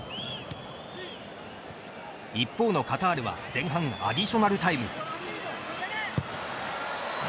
一方のカタールは前半アディショナルタイム。